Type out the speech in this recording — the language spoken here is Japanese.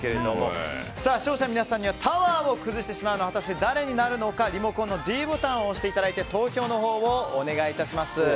視聴者の皆さんにはタワーを倒してしまうのは果たして誰になるのかリモコンのｄボタンを押していただいて投票をお願いいたします。